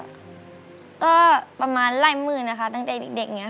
ก็ประมาณรายหมื่นตั้งแต่เด็กทีเนี่ยค่ะ